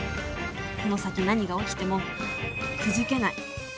この先何が起きてもくじけない。